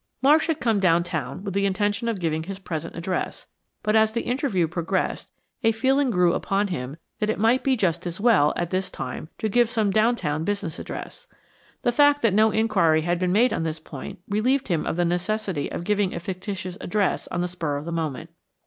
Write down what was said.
Marsh had come downtown with the intention of giving his present address, but as the interview progressed, a feeling grew upon him that it might be just as well, at this time, to give some downtown business address. The fact that no inquiry had been made on this point relieved him of the necessity of giving a fictitious address on the spur of the moment.